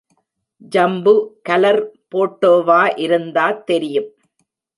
Jambu colour போட்டோவா இருந்தாத் தெரியும்.